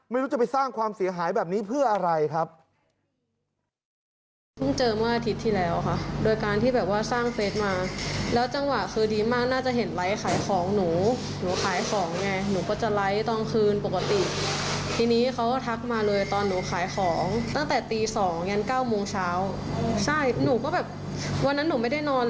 ไม่รู้จะไปสร้างความเสียหายแบบนี้เพื่ออะไรครับ